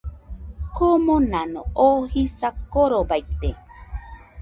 Komonano oo jisa korobaite